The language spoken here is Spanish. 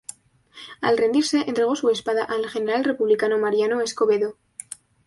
Al rendirse, entregó su espada al general republicano Mariano Escobedo.